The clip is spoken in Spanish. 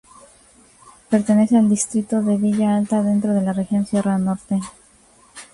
Pertenece al distrito de Villa Alta, dentro de la región Sierra Norte.